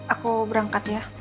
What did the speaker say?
aku berangkat ya